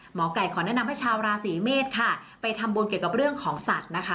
หมอไก่ขอแนะนำให้ชาวราศีเมษค่ะไปทำบุญเกี่ยวกับเรื่องของสัตว์นะคะ